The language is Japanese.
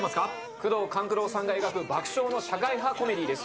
宮藤官九郎さんが描く爆笑の社会派コメディーです。